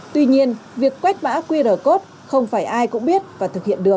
tuy nhiên việc quét mã qr code không phải ai cũng biết và thực hiện được